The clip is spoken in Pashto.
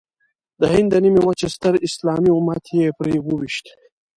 د هند د نیمې وچې ستر اسلامي امت یې پرې وويشت.